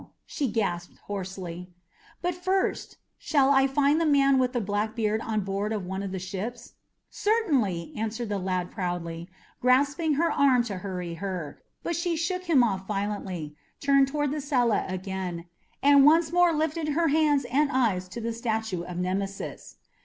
she gasped hoarsely. "But, first, shall I find the man with the black beard on board of one of the ships?" "Certainly!" answered the lad proudly, grasping her arm to hurry her; but she shook him off violently, turned toward the cella again, and once more lifted her hands and eyes to the statue of Nemesis.